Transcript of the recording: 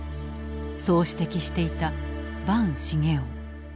そう指摘していた伴繁雄。